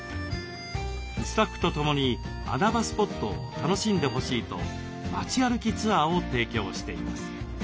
スタッフと共に穴場スポットを楽しんでほしいと街歩きツアーを提供しています。